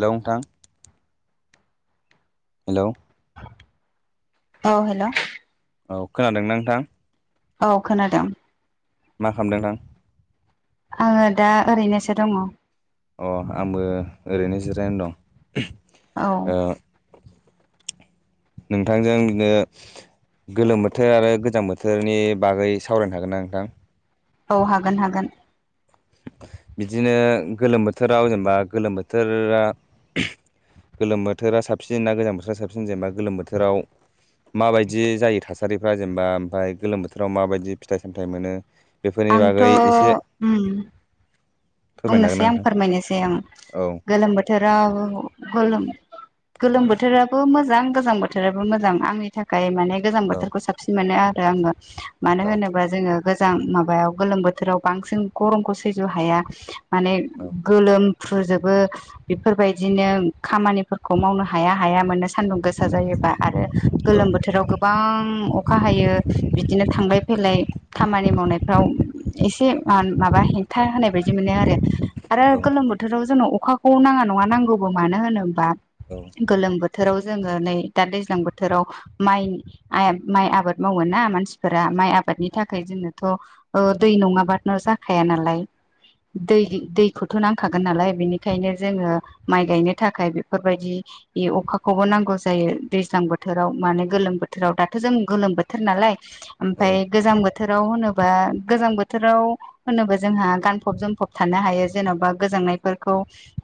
Hello नोंथां। Hello. औ हेल। औ खोनादोंना नोंथां? औ खोनादों। मा खालामदों नोंथां? आङो दा ओरैनोसो दङ। अ आंबो ओरैनो जिरायना दं। औ ओ नोंथांजों बिदिनो गोलोम बोथोर आरो गोजां बोथोरनि बागै सावरायनो हागोन ना नोंथां? औ हागोन हागोन बिदिनो गोलोम बोथोराव जेनेबा गोलोम बोथोरा गोलोम बोथोरा साबसिन ना गोजां बोथोरा साबसिन जेनेबा गोलोम बोथोराव माबायदि जायो थासारिफ्रा जेनेबा ओमफफ्राय गोलोम बोथोराव माबायदि फिथाइ सामथायाइ मोनो बेफोरनि आंथ' बागै एसे उम फोरमायनो हागोन बुंनोसै ना आं नोंथां फोरमायनोसै आं औ गोलोम बोथोराव गोलोम गोलोम बोथोराबो मोजां गोजां बोथोराबो मोजां आंनि थाखाय माने गोजां औ बोथोरखौ साबसिन मोननाय आरो आङो औ मानो होनोबा जोङो गोजां मोजां माबायाव गोलोम बोथोराव बांसिन गरमखौ सैज' हाया माने औ गोलोम फुजोबो बेफोरबायदिनो खामानिफोरखौ मावनो हाया हाया मोननो सान्दुं गोसा जायोबा आरो औ गोलोम बोथोराव गोबां अखा हायो बिदिनो थांलाय फै लाय खामानि मावनायफ्राव एसे माबा हेंथा होनाय बायदि आरो आरो औ गोलोम बोथोराव जोंनो अखाखौ नाङा नङा नांगौबो मानो होनोबा गोलोम बोथ बोथोराव जोङो नै दा दैज्लां बोथोराव माइ माइ आबाद मावो ना मानसिफोरा माइ आबादनि थाखाय जोंङोथ' दै नङाब्ला' जाखाया नालाय दै दै थ' नांखागोन नालाय बेनिखायनो जोङो माइ गायनो थाखाय बेफोरबायदि अखाखौबो नांगौ जायो दैज्लां बोथोराव माने गोलोम बोथोराव दाथ' जों गोलोम बोथोर नालाय औ ओमफफ्राय गोजां बोथोराव होनोबा गोजां बोथोराव होनोबा जोंहा गानफब जोम फब थानो हायो जेन'बा गोजांनायफोरखौ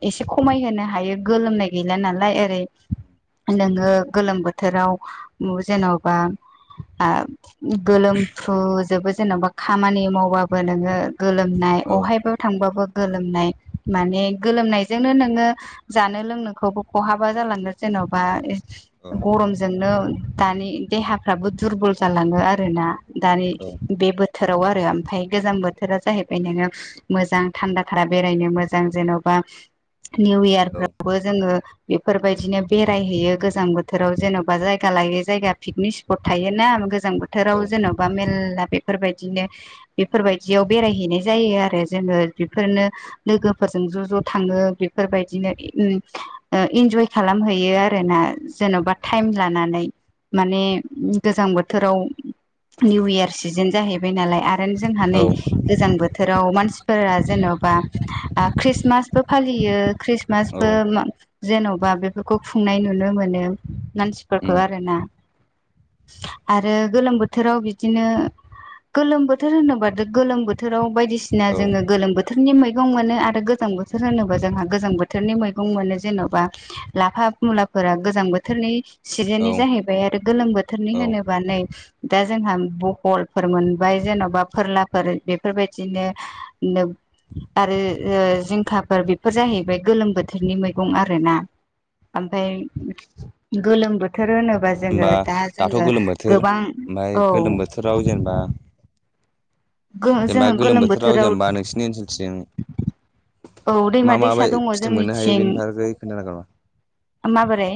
एसे खमायहोनो हायो गोलोमनाय गैला नालाय आरोै [unintelligible] नोङो गोलोम बोथोराव जेन'बा आ गोलोमफ्रुजोबो जेन'बा खामानि मावबाबो नोङो गोलोमनाय औ अहायबो गोलोमनाय माने गोलोमनायजोंनो नोङो जानो लोंनोखौबो खहाबा जालांगोन जेन'बा औ गरमजोंनो दानि देहाफ्राबो दुरबल जालाङो आरोना दानि बे बोथोराव आरो ओमफाय गोजां बोथोरा जाहैबाय नोङो मोजां थान्दा खारा बेरायनो मोजां जेन'बा निउ इयार औ फोरावबो जोङो बेफोरबायदिनो बेरायहैयो गोजां बोथोराव जेन'बा जायगा लायै जायगा पिकनिक स्पट थायोना गोजां बोथोराव जेन'बा मेलला बेफोरबायदिनो बेफोरबायदियाव बेरायहैनाय जायो आरो जोङो बेफोरनो लोगोफोरजों ज' ज' थाङो बेफोरबायदिनो [unintelligible] इन्जय खालामहैयो आरो ना जेन'बा टाइम लानानै माने गोजां बोथोराव निउ इयार सिजोन जाहैबाय बाय नालाय आरो जोंहा औ नै गोजां बोथोराव मानसि जेन'बा खृष्मासबो फालियो खृस्मास बो जेन'बा बेफोरखौ खुंनाय नुनो मोनो मानसिफोरखौ आरोना [inaudible] आरो गोलोम बोथोराव बिदिनो गोलोम बोथोर होनोबााथ गोलोम बोथोराव बायदिसिना जोङो गोलोम बोथोरनि मैगं मोनो आरो गोजां बोथोर होनोबा जोंहा गोजां बोथोर बोथोरनि मैगं मोनो जेन'बा लाफा मुलाफोरा गोजां बोथोरनि सिजेननि जाहैबाय आरो गोलोम बोथोरनि होनोबा नै दा जोंहा बहलफोर मोनबाय जेन'बा फोरलाफोर बेफोरबायदिनो आरो ओ जिं खाफोर बेफोर जाहैबाय गोलोम बोथोरनि मैगं आरो ना ओमफाय गोलोम बोथोर बोथोर होनोबा जोङो होमबा दा दाथ' जोङो गोलोम बोथोर गोबां ओमफ्राय औ गोलोम बोथोराव जेनेबा [inaudible] जेनेबा गोलोम बोथोराव जेनेबा नोंसोरनि ओनसोलथिं औ दैमा मा मा दैसा बाय दङ फिथाइ मोननो हायो जोंनिथिं बेनिफागै खोन्था [unintelligible] माबोरै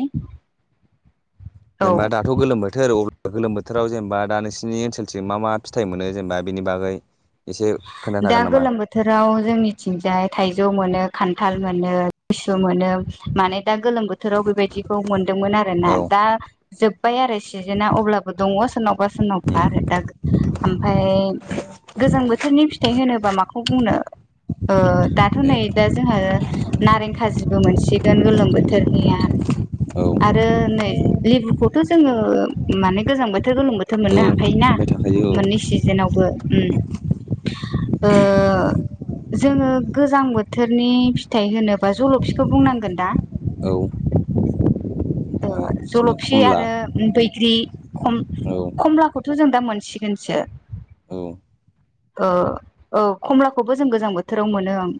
औ जेनेबा दाथ' गोलोम बोथोर गोलोम बोथोराव जेनेबा दा नोंसिनि ओनसोलथि मा मा फिथाइ मोनो जेनेबा बेनि बागै एसे खोन्थानो दा हागोन नामा गोलोम बोथोराव जोंनिथिंजाय थाइजौ मोनो खान्थाल मोनो लेसु मोनो माने दा गोलोम बोथोराव बेबायदिखौ मोनदोंमोन आरोना। औ उम दा जोब बाय आरो सिजोनना अब्लाबो दङ सोरनावबा सोरनावबा। आरो दा ओमफ्राय गोजां बोथोरनि फिथाइ होनोबा माखौ बुंनो ओ दाथ' ए नै दा जोंहा नारें खाजिबो मोनसिगोन गोलोम बोथोरनिया। औ आरो नै लेबुखौथ' जोङो माने गोजां बोथोर गोलोम बोथोर मोननो हाखायोना। मोनबाय थाखायो औ मोननै सिजोनावबो उम [inaudible] ओ जोङो गोजां बोथोरनि फिथाइ होनोबा जल'फिखौ बुंनांगोन दा। [inaudible] बिदिनो जलफि खमला आरो बैग्रि। खम औ खमलाखौथ' जों दा मोनसिगोनसो। औ ओ औ कमलाखौबो जों गोजां बोथोराव मोनो ओं।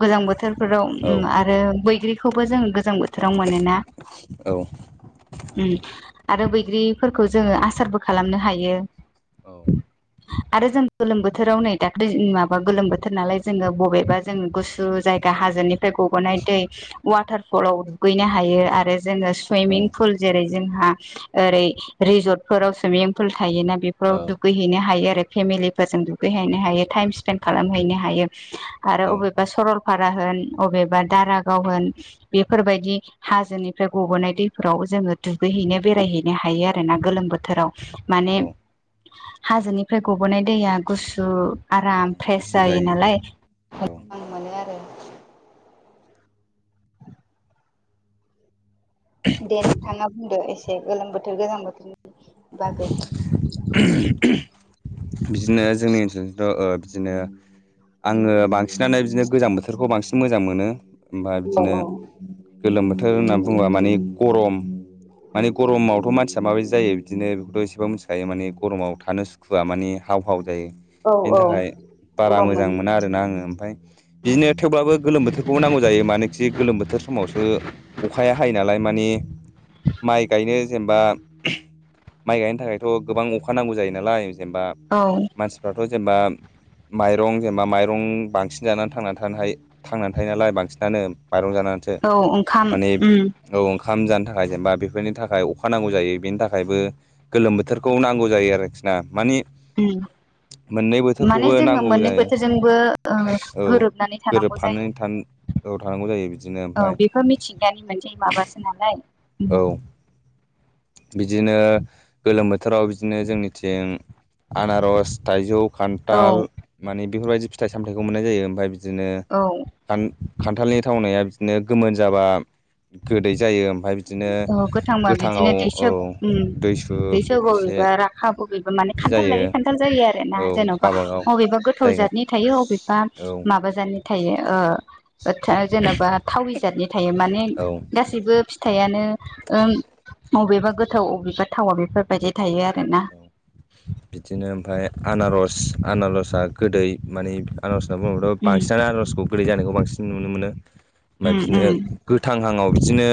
गोजां बोथोरफोराव औ आरो बैग्रिखौबो जों गोजां बोथोर राव मोनोना। उम आरो बैग्रिफोरखौ जोङो आसारबो खालामनो हायो। औ। आरो जों गोलोम बोथोराव नै दाख्लि माबा गोलोम बोथोर नालाय जोङो बबेबा जों गुसु जा यगा हाजोनिफ्राय गबोनाय दै वाटार फलाव दुगैनो हायो आरो जोङो औ सुइमिं फुल जेरै जोंहा ओरै रिजर्टफोराव सुइमिं फुल थायोना औ बेफोराव दुगैहैनो हायो आरो फेमिलिफोरजों दुगैहैनो हायो टाइम स्पेन्दड खालामहैनो हायो। हायो आरो अबेबा सरलपारा होन अबेबा दारागाव होन बेफोरबायदि बिदि हाजोनिफ्राय गबोनाय दैफोराव जोङो दुगैहैनो बेरायहैनो हायो आरोना गोलोम बोथोराव। माने औ हाजोनिफ्राय गबो'नाय दैया गुसु आराम फ्रेस जायो नालाय औ मोजां मोनो आरो। दे नोंथाङा बुंदो एसे गोलोम बोथोर गोजां बोथोरनि बागै बिदिनो जोंनि ओनसोलथिंथ ओ' बिदिनो आङो बांसिनानो बिदिनो गोजां बोथोरखौ बांसिन मोजां मोनो। ओमफ्राय औ बिदिनो औ गोलोम बोथोर होननानै बुङोबा माने गरम माने गरमावथ' मानसिया माबायदि जायो बिदिनो बेखौथ' एसेबाबो मिथिखायो माने गरमाव थानो सुखुवआ मानि हाव हाव जायो। औ औ। बारा गरम मोजां मोनो मोना आरोना आङो ओमफ्राय। बिदिनो थेवब्लाबो गोलोम बोथोरखौबो नांगौ जायो मानोखि गोलोम बोथोर समावसो अखाया हायो नालाय माने माइ गायनो जेनेबा माइ गायनो थाखायथ' गोबां अखा नांगौ जायो नालाय जेनेबा औ मानसिफ्राथ' जेनेबा माइरं जेनेबा माइरं बांसिन जानानै थांनानै थानो हायो थांनानै थायो नालाय बांसिनानो। माइरं जानानैसो औ ओंखाम माने उम औ ओंखाम जानो थाखाय जेनेबा बेफोरनि थाखाय अखा नांगौ जायो बेनि थाखायबो गोलोम बोथोरखौ नांगौ जायो आरोखि ना मानि उम मोननै माने बोथोरखौबो जोङो नांगौ मोननै जायो बोथोरजोंबो औ गोरोबनानै थानांगौ जायो। गोरोबफानानै थानो औ थानांगौ जायो बिदिनो औ ओमफ्राय बेफोर मिथिगानि मोनसे माबासो नालाय उम औ बिदिनो गोलोम बोथोराव बिदिनो जोंनिथिं आनारस थाइजौ औ खान्थाल मानि बेफोरबायदि फिथाइ सामथायाइखौ मोननाय जायो। ओमफ्राय बिदिनो औ खान्थालनि थावनाया बिदिनो गोमोन जाबा गोदै जायो ओमफ्राय बिदिनो औ गोथांबा गोथाव बिदिनो दैसोब ओम दैसोब एसे बबेबा राखाब बबेबा माने बिदि खान्थाल जायो लायो खान्थाल जायो आरो। दा औ जेनबा गावबागाव अबेबा गोथाव जायगा जादनि थायो अबेबा औ माबा जातनि थायो ओ ओ थ जेनबा थावरि जादनि थायो माने औ गासैबो‌ थाइआनो ओम अबेबा गोथाव अबेबा थावा बेफोरबायदि थायो आरो। औ बिदिनो ओमफाय। आनारस आनारसआ गोदै माने आनारस होनना बुङोबथ उम बांसिनानो आनारसखौ। गोदै जानायखौ बांसिन नुनो मोनो ओमफ्राय उम बिदिनो उम गोथां हांआव बिदिनो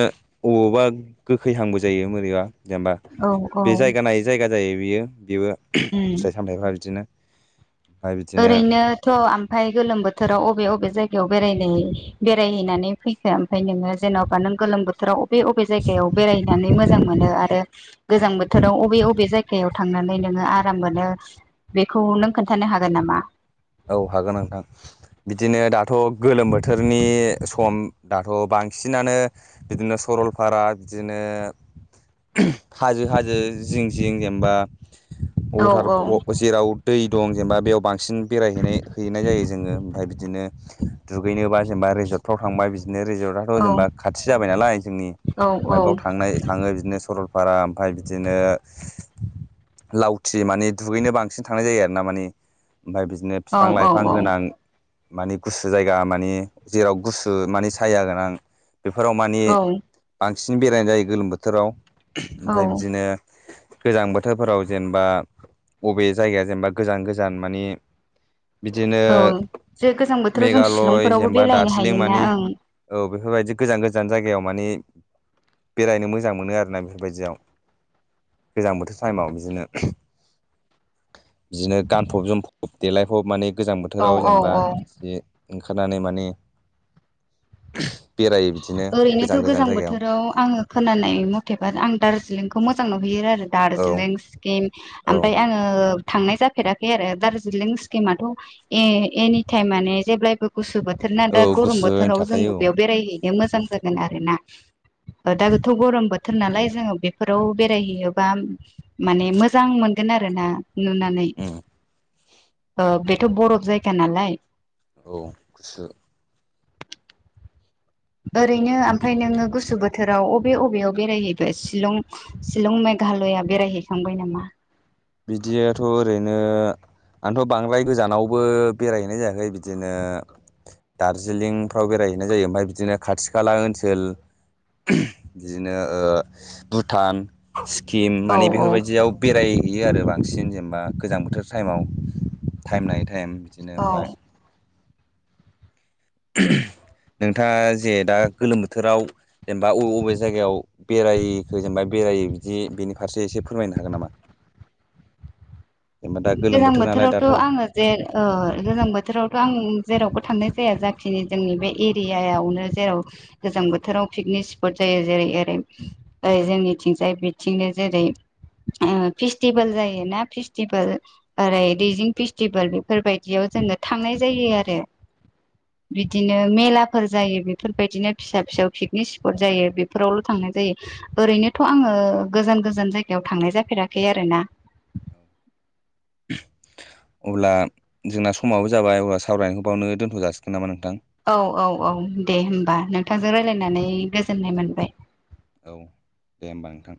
अबावबा गोखैहांबो जायो मोरैबा जेनबा औ औ बे जायगा नायै जायगा जायो बियो बेबो उम फिथाइ सामथाइफ्रा बिदिनो ओमफ्राय बिदिनो ओरैनोथ आम ओमफाय गोलोम बोथोराव अबे अबे जायगायाव बेराय बेरायहैनानै फैखो ओमफाय नोङो जेनबा न गोलोम बोथोराव। अबे अबे जायगायाव बेरायनानै मोजां मोनो आरो गोजां बोथोराव अबे अबे जायगायाव थांनानै नोङो आराम मोनो बेखौ नों खोन्थानो हागोन नामा। औ हागोन नोंथां। बिदिनो दाथ गोलोम बोथोरनि सम दाथ बांसिनानो बिदिनो सम। सरलपारा बिदिनो हाजो हाजो जिं जिं जेनेबा। औ वाटार जेराव दै दं जेनेबा बेयाव बांसिन बेरायहैनाय हैैनाय जायो जोङो ओमफ्राय बिदिनो दुगैनोबा जेनेबा रिेजर्टफ्राव थांबा बिदि बिदिनो रिजर्टथ औ जेनेबा खाथि जाबाय नालाय जोंनि औ ओमफाय औ बेयाव थांनाय थाङो बिदिनो सरल रा ओमफाय बिदिनो लावथि माने दुगैनो बांसिन थांनाय जायो आरो ना माने ओमफाय बिदिनो औ बिफां लाइफां गोनां मानि गुसु जायगा मानि जेराव गुसु माने साया गोनां बेफोराव मानि औ बांसिन बेरायनाय जायो गोलोम बोथोराव औ ओमफाय बिदिनो गोजां बोथोरफोराव जेनेबा बबे जायगाया जेनेबा गोजान गोजान मानि बिदिनो औ जे गोजां बोथोराव जों मेघालय शिलंफोरावबो जेनेबा बेरायनो दार्जिलिं हायोना मानि औ बेफोरबायदि गोजान गोजान जायगायाव मानि बेरायनो मोजां मोनो आरोना बेफोरबायदियाव गोजां बोथोर टाइमाव बिदिनो बिदिनो गानफब जोमफब देलायफब माने गोजां ओं बोथोराव औ जेनेबा औ बिदि ओंखारनानै माने बेरायो बिदिनो ओरैनोथ' गोजान गोजान गोजां जायगायाव बोथोराव आङो खोनानाय मथेबा आं दार्जिलिंखौ मोजां नुहैयो आरो। औ दार्जिलिं सिक्किम औ ओमफ्राय आङो थांनाय जाफेराखै आरो दारजिलिं सक्किमाथ ए-एनिटम माने जेब्लायबो गुसु बोथोर ना दा औ गरम गुसुयैनो बोथोराव थाखायो जोंबो औ बेयाव बेरायहैनो मोजां जागोन आरो ना ओ दा थ गरम बो थोर नालाय जोङो बेफोराव बेरायहैयोबा माने मोजां मोनगोन आरो ना नुनानैै उम ओ बेथ बरफ जायगा नालाय औ गुसु ओरैनो ओमफाय नोङो गुसु बोथोर थोराव अबे अबेयाव बेरायहैबाय शिलं शिलं मेघालया बेरायहैखांबाय नामा। बिदियाथ ओरैनो आंथ बांद्राय गोजानावबो बेरायहैनाय जायाखै बिदिनो दार्जिलिं आव बेरायहैनाय जायो ओमफ्राय बिदिनो खाथि खाला ओनसोल बिदिनो ओ भुटान सिकिम औ मानि बेफोरबायदियाव बेराय हैयो आरो बांसिन जेनेबा गोजां बोथोर टाइमाव टाइम नायै टाइम बिदिनो औ ओमफाय। [unintelligible] नोंथाङा जे दा गोलोम बोथोराव जेनेबा अबे अबे जायगायाव बेराय हैगोन बायदि। बेरायो बिदि बेनि फारसे एसे फोरमायनो हागोन नामा? जेनेबा दा गोलोम गोजां बोथोर नालाय बोथोरावथ' दाथ' आङो जे ओ गोजां बोथोरावथ' आं जेरावबो थांनाय जाया। जाथिनि जोंनि बे एरियायावनो जेराव गोजां बोथोराव पिकनिक स्पट जायो। जेरै ओरै जै जोंनिथिंजाय बिथिंनो जेरै ओ फेस्टिभेल जायोना फेस्टिभेल ओरै दैजिं फेस्टिभेल बेफोरबायदियाव जोङो थांनाय जायो आरो। बिदिनो मेलाफोर जायो बेफोरबायदिनो फिसा फिसौ पिकनिक स्पट जायो बेफोरावल' थाङो। जायो। ओरैनोथ' आङो गोजान गोजान जायगायाव थांनाय जाफेराखै आरोना। [inaudible] अब्ला जोंना समाबो जाबाय अब्ला सावरायनायखौ बावनो दोन्थ' जाासिगोन नामा नोंथां? औ औ औ दे होनबा नोंथांजों रायज्लायनानै गोजोननाय मोनबाय। औ दे होमबा नोंथां।